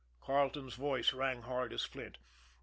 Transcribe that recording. Carleton's voice rang hard as flint.